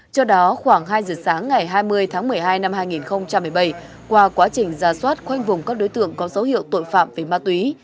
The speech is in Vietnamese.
trước đó khoảng hai giờ sáng ngày hai mươi tháng một mươi hai năm hai nghìn một mươi bảy qua quá trình ra soát khoanh vùng các đối tượng có dấu hiệu tội phạm về ma túy